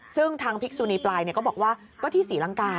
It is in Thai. ซึ่งทางพิกษุนีปลายก็บอกว่าก็ที่ศรีลังกา